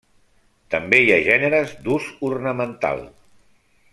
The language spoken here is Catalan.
També hi ha gèneres d'ús ornamental.